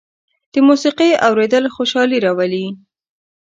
د موسيقۍ اورېدل خوشالي راولي.